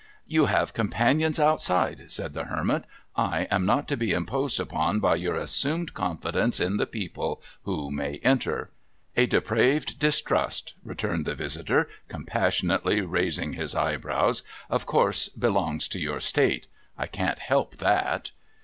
' You have companions outside,' said the Hermit. ' I am not to be imposed upon by your assumed confidence in the people who may enter.' ' A depraved distrust,' returned the visitor, compassionately raising his eyebrows, ' of course belongs to your state. I can't help that.'